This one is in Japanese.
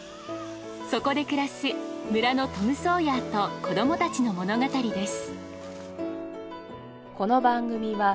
そこで暮らす村のトム・ソーヤーと子どもたちの物語です。